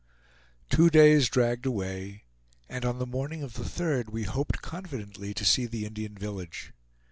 Two days dragged away, and on the morning of the third we hoped confidently to see the Indian village.